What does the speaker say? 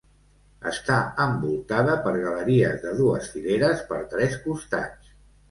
Està envoltada per galeries de dues fileres per tres costats.